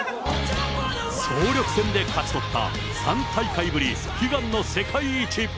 総力戦で勝ち取った、３大会ぶり、悲願の世界一。